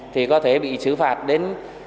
thì có thể bị xử phạt đến